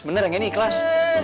beneran ini ikhlas